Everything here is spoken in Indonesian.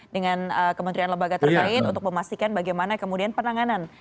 dengan kementerian lebaga terkait untuk memastikan bagaimana kemudian penanganan